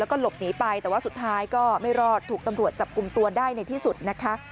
แล้วก็หลบหนีไปแต่ว่าสุดท้ายก็ไม่รอดถูกตำรวจจับกลุ่มตัวได้ในที่สุดนะคะ